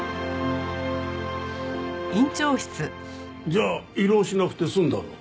じゃあ胃ろうしなくて済んだの？